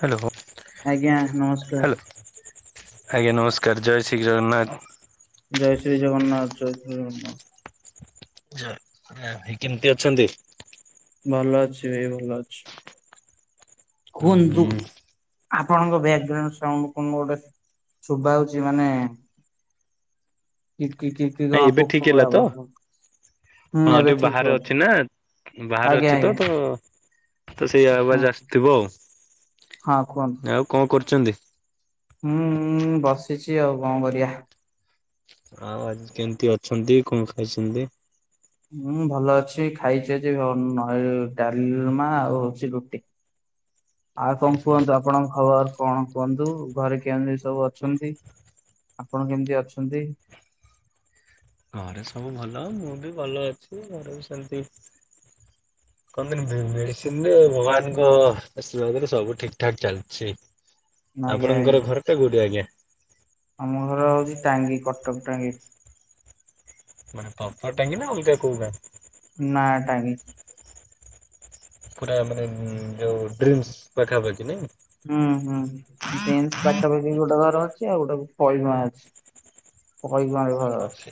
Hello. ଆଜ୍ଞା hello. ନମସ୍କାର। ଆଜ୍ଞା ନମସ୍କାର ଜୟ ଶ୍ରୀ ଜଗନ୍ନାଥ। ଜୟ ଶ୍ରୀ ଜଗନ୍ନାଥ ଜୟ ଶ୍ରୀନ୍ ଭାଇ କେମିତି ଅଛନ୍ତି? ଭଲ ଅଛି ଭାଇ ଭଲ ଅଛି। ହୁଁ କୁହନ୍ତୁ -ହୁଁ। ଆପଣଙ୍କ ବ୍ୟାଗ୍ରାଉଣ୍ଡ ସାଉଣ୍ଡ କଣ ଗୋଟେ ଶୁଭା ହଉଛି ମାନେ କିିକ କି କିିକ କି ନାଇଁ କ ଏବେ ଠିକ ହେଲା ତ ପବ [unintelligible] ହଁ ଟିକେ ବାହାରେ ଅଛି ନା। ବାହାରେ ଆଜ୍ଞା ଅଛି ତ ଆଜ୍ଞା ତ ତ ସେଇ ଆ ହଁ। ଆବାଜ ଆସୁଥିବ ଆଉ। ହଁ କୁହନ୍ତୁ ଆଉ କଣ କରୁଛନ୍ତି? ହୁଁ ବସିଛି ଆଉ କଣ କରିବା? ଆଉ ଆଜି କେମିତି ଅଛନ୍ତି କଣ ଖାଇଛନ୍ତି? ହଁ ଭଲ ଅଛି ଖାଇଛି ଆଜି ଅ-ନଏ-ଡାଲମା ଆଉ ହଉଛି ରୁଟି। [inaudible] ଆଉ କଣ କୁହନ୍ତୁ, ଆପଣଙ୍କ ଖବର କଣ କୁହନ୍ତୁ, ଘରେ କେମିତି ସବୁ ଅଛନ୍ତି? ଆପଣ କେମିତି ଅଛନ୍ତି? ଘରେ ସବୁ ଭଲ ମୁଁ ବି ଭଲ ଅଛି ଘରେ ବି ସେମତି କହନ୍ତିିନି ମେଡିସିନରେ ଭଗବାନଙ୍କ ଆଶ୍ରୀବାଦରେ ସବୁ ଠିକ ଠାକ ଚାଲିଛି। ଆଜ୍ଞା ଆଜ୍ଞା। ଆପଣଙ୍କର ଘର ଟା କୋଉଠି ଆଜ୍ଞା? ଆମ ଘର ହଉଛି ଟାଙ୍ଗି କଟକ ଟାଙ୍ଗି। ମାନେ ପପର ଟାଙ୍ଗି ନା ଅଲଗା କୋଉ ଗାଁ? ନା ଟାଙ୍ଗି। ପୁରା ମାନେ ଯୋଉ ଡ୍ରିମ୍ସ ପାଖା ପାଖି ନାଇଁ? ହୁଁ ହୁଁ ଡ୍ରିମ୍ସ ପାଖାପାଖି ଗୋଟେ ଘର ଅଛି ଆଉଟା ପଇଗୁଆଁ ଅଛି, ପଇଗୁଆଁ ରେ ଘର ହଁ ସେ ଅଛି।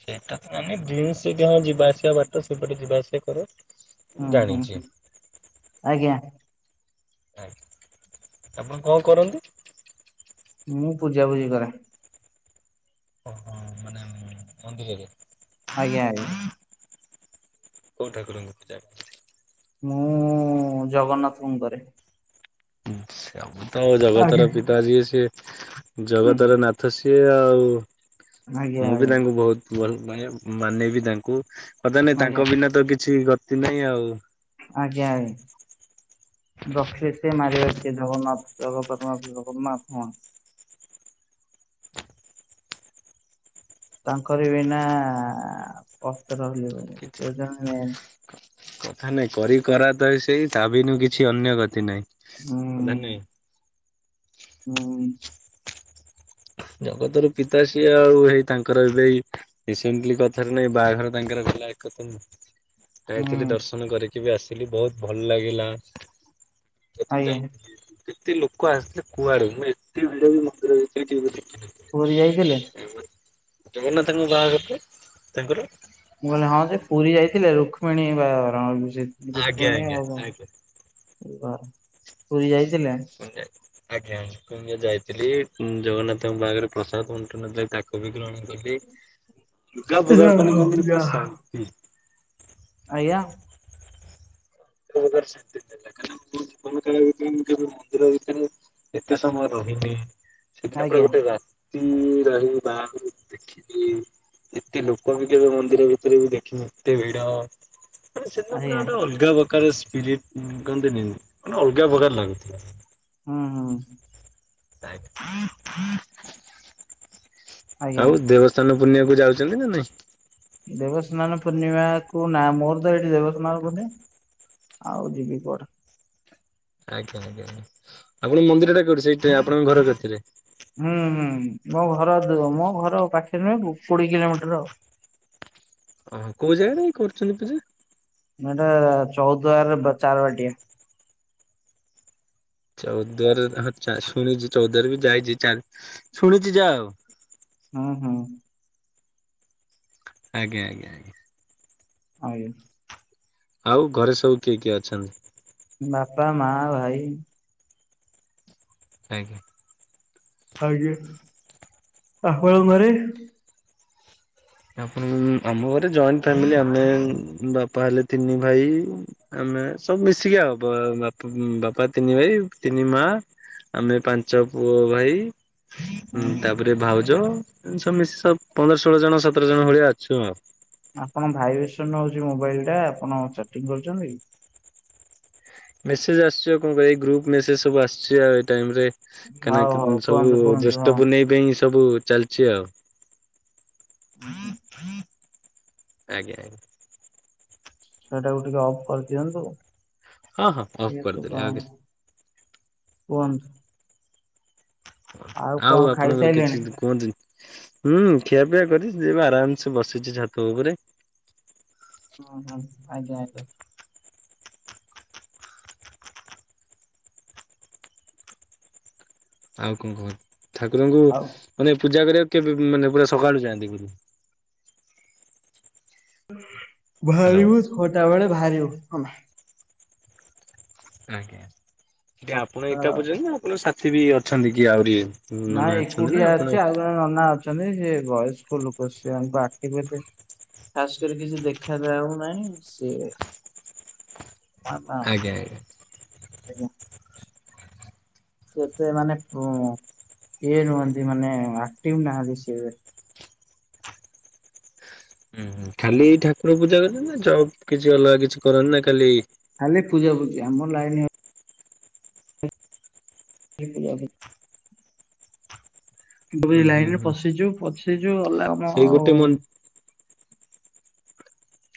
ସେଇଟା ତ ମାନେ ଡ୍ରିମ୍ସ କି ଯିବା ଆସିବା ବାଟ ସେ ବାଟେ ଯିବା ଆସିବା କର? ହୁଁ ହୁଁ ଜାଣିଛି। ହୁଁ ଆଜ୍ଞା। ଆଜ୍ଞା ଆପଣ କଣ କରନ୍ତି? ମୁଁ ପୂଜାପୁଜି କରେ। ଓହୋ ମାନେ ମନ୍ଦିରରେ? ଆଜ୍ଞା ଆଜ୍ଞା। କୋଉ ଠାକୁରଙ୍କୁ ପୂଜା କର? ମୁଁ ଜଗନ୍ନାଥଙ୍କୁ କରେ। ସବୁ ତ ଜଗତର ଆଜ୍ଞା ପିତା ଯିଏ ସିଏ ହୁଁ ହୁଁ ଜଗତର ନାଥ ସିଏ ଆ ଆଉ ଆଜ୍ଞା ମୁଁ ବି ଆଜ୍ଞା ତାଙ୍କୁ ବହୁତ ଭଲ ମାନେ ମାନେବି ତାଙ୍କୁ। ମାନେ ଆଜ୍ଞା ତାଙ୍କ ବିନା ତ କିଛି ଗତି ନାହିଁ ଆଉ। ଆଜ୍ଞା ଆଜ୍ଞା। ରଖିଲେ ସିଏ ମାରିବ କିଏ ଜଗନ୍ନାଥ ଜଗତର ନାଥ ଜଗନ୍ନାଥ ମହା ତାଙ୍କରି ବିନା ପତର ହଲିବନି, କିଛି ସିଏ ହଉଛନ୍ତି ମେନ୍। କଥା ନାଇଁ କରି କରା ତ ଏ ସେଇ ତା ବିନୁ କିଛି ଅନ୍ୟ ଗତି ନାଇଁ। ହୁଁ [unintelligible] ହୁଁ। ଜଗତ ର ପିତା ସିଏ ଆଉ ହେଇ ତାଙ୍କର ଏବେଇ ରିସେଣ୍ଟଲି କଥାରେ ନାଇଁ ବାହାଘର ତାଙ୍କର [unintelligible] ଯାଇଥିଲି ହୁଁ ଦର୍ଶନ କରିକି ବି ଆସିଲି ବହୁତ ଭଲ ଲାଗିଲା। ଆଜ୍ଞା। ଏତେ ଲୋକ ଆସିଲେ କୁଆଡୁ, ମୁଁ ଏତେ ଭିଡରେ ମନ୍ଦିର ଭିତରେ କେମିତି ପୁରୀ ଯାଇଥିଲେ? ଜଗନ୍ନାଥଙ୍କ ବାହାଘରରେ ତାଙ୍କର ମୁଁ କହିଲି ହଁ ଯେ ପୁରୀ ଯାଇଥିଲେ ରୁକ୍ମଣୀ ବାହାଘର ଆଜ୍ଞା ରୁକ୍ମଣୀ ଆଜ୍ଞା ଆଉ ଆଜ୍ଞା କଣ ପୁରୀ ଯାଇ ଆଜ୍ଞା ମୁଁ ଯ ଯାଇଥିଲି ଜଗନ୍ନାଥଙ୍କ ପାଖରେ ପ୍ରସାଦ ବଣ୍ଟନ ଚା ତାକୁ ବି ଗ୍ରହଣ କଲି। ଲୁଗା ଫୁଗା ଯା ମାନେ ହଉ କୁହନ୍ତିନି ଯା ପୁରା ହଉ। ଶାନ୍ତି। ଆଜ୍ଞା? ଏକ ପ୍ରକାର ଶାନ୍ତି ଥିଲା କାହିଁକିନା ମୋ ଜୀବନ କାଳ ଭିତରେ ମୁଁ କେବେ ମନ୍ଦିର ଭିତରେ ଏତେ ସମୟ ର ସେଦିନ ପୁରା ଆଜ୍ଞା ଗୋଟେ ରାତି ରହି ବାହାଘର ଦେଖିଲି। ଏତେ ଲୋକ ବି କେବେ ମନ୍ଦିର ଭିତରେ ବି ଦେଖିନି, ଏତେ ଭିଡ। ମାନେ ସେଦିନ ପୁରା ଆଜ୍ଞା ଗୋଟେ ଅଲଗା ପ୍ରକାର ସ୍ପିରିଟ କହନ୍ତିନି ମାନେ ଅଲଗା ପ୍ରକାର ଲାଗୁଥିଲା। ହଁ ହଁ। ଆଜ୍ଞା। ଆଉ ଦେବସ୍ଥାନ ପୁନିଅକୁୁ ଯାଉଛନ୍ତି ନା ନାଇଁ? ଦେବସ୍ନାନ ପୂର୍ଣ୍ଣିମା କୁ ନା ମୋର ତ ଏଇଠି ଦେବସ୍ନାନ ପୂର୍ଣି ଆଉ ଯିବି କୁଆଡେ? ଆଜ୍ଞା ଆଜ୍ଞା ଆପଣ ମନ୍ଦିର ଟା କୋଉଠି ସେଇଠି ଆପଣଙ୍କ ଘର କତିରେ ହୁଁ ହୁଁ ମୋ ଘର ମୋ ଘର ପାଖରେ ନୁହେଁ କୋଡିଏ କିଲୋମିଟର ଆଉ। ଓ କୋଉ ଜାଗରେ କରୁଛନ୍ତି ପୂଜା? ଏଇଟା ଚଉଦ୍ୱାର ର ବ ଚାର ବାଟିଆ। ଚଉଦାର ଆ ହଁ ଚା ଶୁଣିଚି ଚଉଦ୍ୱାର ବି ଯାଇଚି ଚା ଶୁଣିଚି ଯା ଆଉ। ହୁଁ ହୁଁ। ଆଜ୍ଞା ଆଜ୍ଞା ଆଜ୍ଞା। ଆଜ୍ଞା। ଆଉ ଘରେ ସବୁ କିଏ କିଏ ଅଛନ୍ତି? ବାପା ମା ଭାଇ। ଆଜ୍ଞା। ଆଜ୍ଞ [unintelligible] ଆପଣ ଆମ ଘରେ ଜଏଣ୍ଟ ଫାମିଲି ଆମେ ଉଁ ବାପା ହେଲେ ତିନି ଭାଇ ଆମେ ମେ ସବୁ ମିଶିକି ଆଉ ବ ବାପା ବାପା ତିନି ଭାଇ ତିନି ମା ଆମେ ପାଞ୍ଚ ପୁଅ ଭାଇ ହଁ ହୁଁ। ତାପରେ ଭାଉଜ ଏମିତି ସବୁ ମିଶି ସବ ପନ୍ଦର ଷୋଳ ଜଣ ସ ସତର ଜଣ ଭଳିଆ ଅଛୁ ଆଉ। ଆପଣ ଭାଇବ୍ରେସନ ହଉଚି ମୋବାଇଲ ଟା ଆପଣ ଚାର୍ଟିଂ କରୁଛନ୍ତି କି? ମେସେଜ ଆସୁଚି କଣ କହିବ ଏଇ ଗ୍ରୁପ ମେସେଜ୍ ସବୁ ଆସୁଚି ଏଇ ଟାଇମ୍ ରେ। ହଉ ହଉ କାହିଁକିନା ସବୁ କୁହନ୍ତୁ କୁହନ୍ତୁ ହଁ। ଜେଷ୍ଠ ପୁନେଇଁ ପାଇଁ ସବୁ ଚାଲିଚି ଆଉ। ହୁଁ ହୁଁ। ଆଜ୍ଞା ଆଜ୍ଞା। ସେଇଟାକୁ ଟିକେ ଅଫ୍ କରିଦିଅନ୍ତୁ। ହଁ ହଁ ଅଫ ଏ ସବୁ କରିଦେଲେ ଆଉ କିଛି କୁହନ୍ତୁ। ଆଉ କଣ ଆପଣଙ୍କର ଖାଇସାରିଲେଣି? କିଛି କୁହନ୍ତିନି ହୁଁ ଖିଆପିଆ କରିଚି ଯବେ ଆରାମସେ ବସିଚି ଛାତ ଉପରେ ହଁ ହଁ ଆଜ୍ଞା ଆଜ୍ଞା। ଆଉ କଣ କହ ଠାକୁରଙ୍କୁ ଆଉ ମାନେ ପୂଜା କରିବାକୁ କେବେ ମାନେ ପୁରା ସକାଳୁ ଯାଆନ୍ତି କରି ହ୍ୟାଲୋ ଭାରିବ ଛଟା ବଳେେ ଭାରିବ ଆଜ୍ଞା ହେଠି ଆପଣ ସକାଳ ଏକା କରୁଚନ୍ତି ନା ଆପଣ ସାଥି ବି ଅଛନ୍ତି କି ଆହୁରି ନାଇ ନନା ଅଛନ୍ତି ନା ଏକୁଟିଆ ଆପଣ ଅଛି ଆଉ ଜଣେ ନନା ଅଛନ୍ତି ସେ ବୟସ୍କ ଲୋକ ସେ ଆମ [unintelligible] ଖାସ୍ କରି କିଛି ଦେଖା ଯାଉ ନାହିଁ ସିଏ ଆଜ୍ଞା ଆଜ୍ଞା। ଆଜ୍ଞା। ସେତେ ମାନେ ଉଁ ଇଏ ନୁହନ୍ତି ମାନେ ଆକ୍ଟୀଭ ନାହାନ୍ତି ସେ ହୁଁ ଖାଲି ଠାକୁର ପୂଜା କର ନା ଯବ୍ କିଛି ଅଲଗା କିଛି କରନ୍ତି ନା ଖାଲି ଖାଲି ପୂଜା ଫୁଜି ଆମର ଲାଇନ ହେଉ ଖାଲି ପୂଜା ପୁଜି। ଯଦି ଏ ହୁଁ ହୁଁ ଲାଇନ ରେ ହୁଁ ପଶିଯିବୁ ପଚେଯିବୁ ଗଲା ଆମ ସେଇ ଗୋଟେ ଆଉ ମନ୍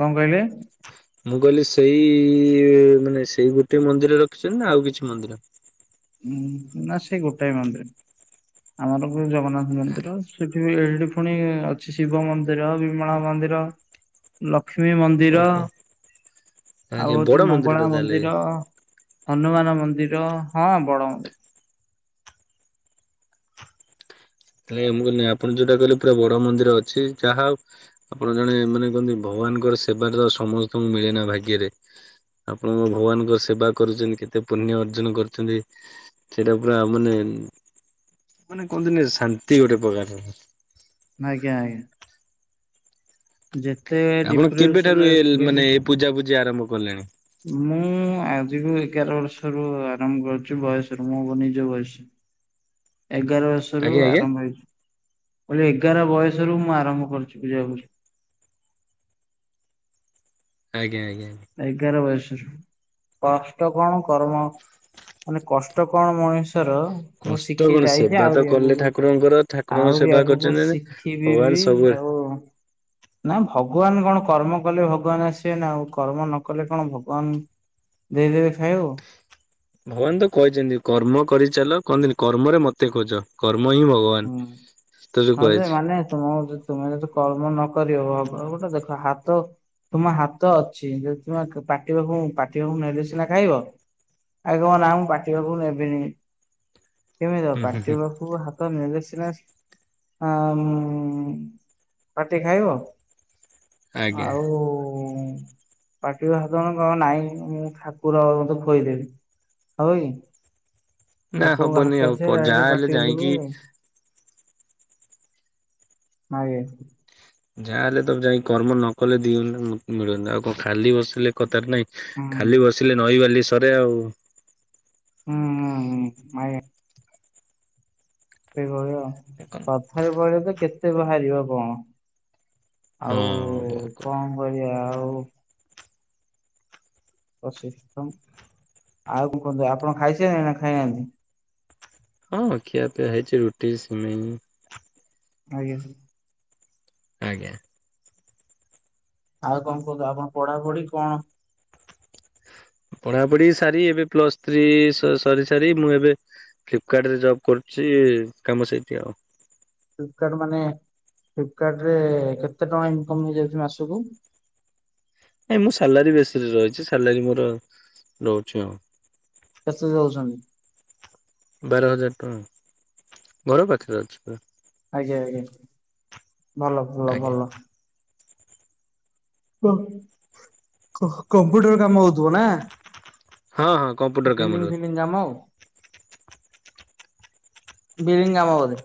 କଣ କହିଲେ? ମୁଁ କହିଲି ସେଇ ମାନେ ସେଇ ଗୋଟେ ମନ୍ଦିର ରଖିଚନ୍ତି ନା ଆଉ କିଛି ମନ୍ଦିର? ହୁଁ ନା ସେଇ ଗୋଟାଏ ମନ୍ଦର। ଆମର ବି ଜଗନ୍ନାଥ ମନ୍ଦିର ସେଠି ଏଠି ପୁଣି ଅଛି ଶିବ ମନ୍ଦିର ବିମଳା ମନ୍ଦିର ର ଲ ଶ୍ରୀ ମନ୍ଦିର ଓହୋ ଆଜ୍ଞା ଆଉ ବଡ ହଉଛି ମଙ୍ଗଳା ମନ୍ଦିରଟା ତାହେଲେ ମନ୍ଦିର ହନୁମାନ ମନ୍ଦିର ହଁ ବଡ ମନ୍ଦିର। ରେ ମୁଁ କହିଲି ନାଇଁ ଆପଣ ଯୋଉଟା କହିଲେ ପୁରା ବଡ ମନ୍ଦିର ଅଛି ଯାହା ହଉ ଆପଣ ଜଣେ ମାନେ କହନ୍ତିନି ଭ ଭଗବାନଙ୍କର ସେବା ତ ସମସ୍ତଙ୍କୁ ମିଳେନା ଭାଗ୍ୟରେ। ଆପଣଙ୍କ ଭଗବାନଙ୍କ ସେବା କରୁଛନ୍ତି କେତେ ପୁଣ୍ୟ ଅର୍ଜନ କରୁଛନ୍ତି ସେଇଟା ପୁରା ମାନେ ହୁଁ ମାନେ କୁହନ୍ତିନି ଶାନ୍ତି ଗୋଟେ ପ୍ରକାରର। ଆଜ୍ଞା ଆଜ୍ଞା। ଯେତେ ଆପଣ କେବେଠାରୁ ଡିପ୍ରେସନରେ ଏ ଥିଲେ ବି ମାନେ ଏ ପୂଜା ପୂଜି ଆରମ୍ଭ କଲେଣି ମୁଁ ଆଜିକୁ ଏଗାର ବର୍ଷରୁ ଆରମ୍ଭ କରଛି ବୟସରୁ ମୁଁ ମୋ ନିଜ ବୟସ [unintelligible] ଏଗାର ବର୍ଷରୁ ଆଜ୍ଞା ଆଜ୍ଞା ଆରମ୍ଭ ହେଇଛି। ମୁଁ କହିଲି ଏଗାର ବୟସରୁ ମୁଁ ଆରମ୍ଭ କରିଛି ପୂଜା ପୂଜି ଆଜ୍ଞା ଆଜ୍ଞା। ଏଗାର ବର୍ଷ କଷ୍ଟ କଣ କର୍ମ ମାନେ କଷ୍ଟ କଣ ମଣିଷ ର୍ଷର ମୁଁ କଷ୍ଟ ଶିଖି କଣ ଯାଇଛି ସେବା ତ ଆହୁରି କଲେ ଆଗୁକୁ ଠାକୁରଙ୍କର ଠାକୁରଙ୍କ ଆହୁରି ସେବା ଆଗୁକୁ କରିଛନ୍ତି ମାନେ ଶିଖିବି ଭଗବାନ ବି କି ସବୁବେଳେ ଆଉ ନା ଭଗବାନ କଣ କର୍ମ କଲେ ଭଗବାନ ଆସିବେ ନା ଆଉ। କର୍ମ ନ କଲେ କଣ ଭଗବାନ ଦେଇ ଦେବେ ଖାଇବାକୁ। ଭଗବାନ ତ କହିଚନ୍ତି କର୍ମ କରିଚାଲ କହାନ୍ତିଁନି କର୍ମରେ ମତେ ଖୋଜ କର୍ମ ହିଁ ଭଗବାନ ହୁଁ ତ ଯୋଉ ହଁ ସେ କୁହାଯାଇଛି ମାନେ ତମକୁ ଯ ତୁମେ ଯଦି କର୍ମ ନକରି ହବ ହବ ଗୋଟେ ଦେଖ ହାତ ତୁମ ହାତ ଅଛି ଯଦି ତୁମେ ପାଟିପାଖକୁ ପାଟିପାଖକୁ ନେଲେ ସିନା ଖାଇବ। ଆଗ କଁ ନା ମୁଁ ପାଟି ପାଖକୁ ନେବିନି କେମିତି ହବ ହୁଁ ହୁଁ ପାଟି ହୁଁ। ପାଖୁକୁ ହା ତ ନେଲେ ସିନା ଆଁ ଉଁ ପାଟି ଖାଇବ। ଆଜ୍ଞା ଆଉ ପାଟିିବା ସାଧାରଣ କହିବ ନାଇଁ ମୁଁ ଠାକୁର ଆଉ ମତେ ଖୋଇଦେବି। ହବକି ନା ଠାକୁରଙ୍କ ହବନି ହାତ ଆଉ ଅଛି ପ ଯେ ଯାହା ଡାଇରେକ୍ଟ ହେଲେ ପାଟି ଯାଇକି ଭିତରକୁ [unintelligible] ଆଗେ ଯାହାହେଲେ ତ ଯାଇଁ କର୍ମ ନ କଲେ ଦି ମୁଁ ମିଳୁନି ଆଉ କଣ ଖାଲି ବସିଲେ କଥାରେ ନାହିଁ ହୁଁ ଖାଲି ବସିଲେ ନଈ ବାଲି ସରେ ଆଉ ହୁଁ ହୁଁ ହୁଁ ମାଇ ସେ କହିବ କଥାରେ ପଇଲେ ତ କେତେ ବାହାରିବ କଣ ହଁ ବୋହୁତ କ ହୋଉ। ଅ ସିଷ୍ଟମ୍ ଆଉ କୁହନ୍ତୁ ଆପଣ ଖାଇସାଇଲେଣି ନା ଖାଇନାହାନ୍ତି? ହଁ ଖିଆ ପିଆ ହେଇଚି ରୁଟି ସିମେଇ ଆଜ୍ଞା ଆଜ୍ଞା। ଆଉ କଁ କୁହନ୍ତୁ ଆପଣ ପଢାପଢି କଣ? ପଢାପଢି ସାରି ଏବେ ପ୍ଲସ ଥ୍ରୀ ସ ସରି ସାରି ମୁଁ ଏବେ। ଫ୍ଲିପକାର୍ଟ ରେ ଜବ୍ କରୁଚି କାମ ସେଇଠି ଆଉ। ଫ୍ଲିପକାଡ ମାନେ ଫ୍ଲିପକାଡ ରେ କେତେ ଟଙ୍କା ଇନକମ୍ ହେଇଯାଉଚି ମାସକୁ। ସୁକୁ ଏ ମୁଁ ସାଲାରି ବେସିସ୍ ରେ ରହିଛି ସାଲାରି ମୋର ରହୁଛି ହଁ। କେତେ ଦେଉଛନ୍ତି। ବାର ହଜାର ଟଙ୍କା ଘର ପାଖରେ ଅଛି ପୁରା। ଆଜ୍ଞା ଆଜ୍ଞା ଭଲ ଭଲ ଆଜ୍ଞା ଭଲ। ଅ କ କମ୍ପ୍ୟୁଟର କାମ ହୋଉଥିବ ନା। ହଁ ହଁ କମ୍ପ୍ୟୁଟର କାମରେ ଅଛି। ବିଲିଙ୍ଗ ଫିଲିଙ୍ଗ କାମ ଆଉ। ବିଲିଙ୍ଗି କାମ ବୋଧେ।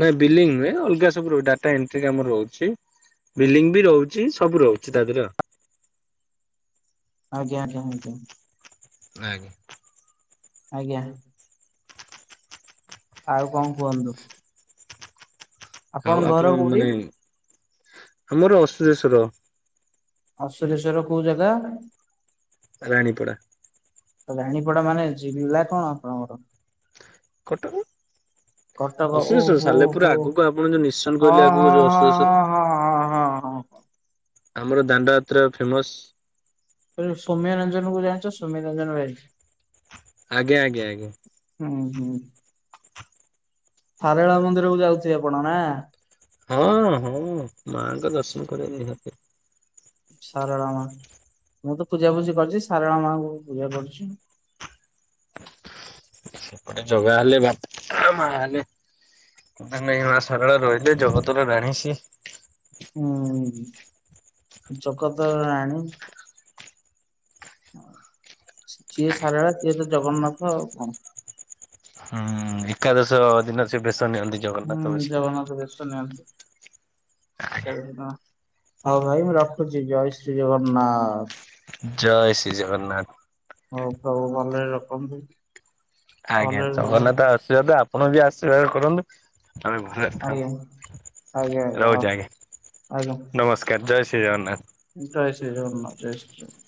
ନାଇଁ ବିଲିଙ୍ଗି ନୁହେଁ ଅଲଗା ସବୁରୋ ଡାଟା ଏଣ୍ଟ୍ରି କାମ ରହୁଛି। ବିଲିଙ୍ଗି ବି ରହୁଛି ସବୁ ରହୁଛି ତା ଦିହରେ ଆଉ ଆଜ୍ଞା ଆଜ୍ଞା ଆଜ୍ଞା। ଆଜ୍ଞା। ଆଜ୍ଞା। ଆଉ କଣ କୁହନ୍ତୁ। ଆଉ ଆପଣଙ୍କ ଘର ଆପଣ କୋଉଠି? ମାନେ ଆମର ଅସୁରେଶ୍ଵର। ଅସୁରେଶ୍ଵର କୋଉ ଜାଗା। ରାଣୀପଡ଼ା। ରାଣୀପଡ଼ା ମାନେ ଜିଲ୍ଲା କଣ ଆପଣଙ୍କର। କଟକ। କଟକ ଓହୋ ଅସୁରେଶ୍ୱର ହୋ ସାଲେପୁର ହଁ ଆଗକୁ ଆପଣ ଯୋଉ ନିସନ୍ ହଁ କହିଲେ ଆଗକୁ ହଁ ଯୋଉ ହଁ ହଁ ଅସୁରେଶ୍ୱର। ହଁ ହଁ ହଁ। ଆମର ଦାଣ୍ଡ ଯାତ୍ରା ଫେମସ୍। ତ ଯୋଉ ସୌମ୍ୟରଞ୍ଜନ କୁ ଜାଣିଚ ସୌମ୍ୟରଞ୍ଜନ ବେସ୍। ଆଜ୍ଞା ଆଜ୍ଞା ଆଜ୍ଞା। ଉହୁଁ ସାରଳା ମନ୍ଦିରକୁ ଯାଉଥୁବେ ଆପଣ ନା। ହଁ ହଁ ମାଆଙ୍କ ଦର୍ଶନ କରିବା ନିହାତି। ସାରଳା ମା। ମୁଁ ତ ପୂଜାପୂଜି କରୁଛି ସାରଳା ମାଆଙ୍କୁ ପୂଜା କରୁଛି। ସେପଟେ ଜଗା ହେଲେ ବାପା ମା ହେଲେ ନାଇ ମାଆ ସରଳା ରହିଲେ ଜଗତରେ ରାଣୀ ସେ। ହୁଁ ଜଗତର ରାଣୀ। ଯିଏ ସାରଳା ସିଏ ତ ଜଗନ୍ନାଥ ଆଉ କଣ। ହୁଁ ଏକାଦଶ ଦିନ ସେ ବେଶ ନିୟନ୍ତି ଜଗନ୍ନାଥ ହୁଁ ବେଶ। ଜଗନ୍ନାଥ ବେଶ ନିଅନ୍ତି। [unintelligible] ହଉ ଭାଇ ମୁଁ ରଖୁଛି ଜୟ ଶ୍ରୀ ଜଗନ୍ନାଥ। ଜୟ ଶ୍ରୀ ଜଗନ୍ନାଥ। ହଉ ପ୍ରଭୁ ଭଲରେ ରଖନ୍ତୁ। ଆଜ୍ଞା ଭଲରେ ରୁହ ଜଗନ୍ନାଥ ଆଶୀର୍ବାଦ ଆପଣ ବି ଆଶୀର୍ବାଦ କରନ୍ତୁ। ତମେ ଭଲରେ ଆଜ୍ଞା। ଆଜ୍ଞା ଥାଅ ହଁ ରହୁଛି, ଆଜ୍ଞା ଆଜ୍ଞା ନମସ୍କାର ଜୟ ଶ୍ରୀ ଶ୍ରୀ ଜଗନ୍ନାଥ। ଜୟ ଶ୍ରୀ ଜଗନ୍ନାଥ ଜୟ ଶ୍ରୀ ଜଗନ୍ନାଥ।